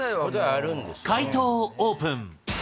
解答をオープン。